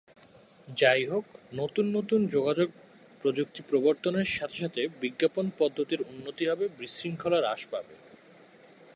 যাইহোক, নতুন নতুন যোগাযোগ প্রযুক্তি প্রবর্তনের সাথে সাথে বিজ্ঞাপন পদ্ধতির উন্নতি হবে, বিশৃঙ্খলা হ্রাস পাবে।